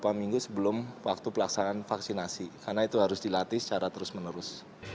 beberapa minggu sebelum waktu pelaksanaan vaksinasi karena itu harus dilatih secara terus menerus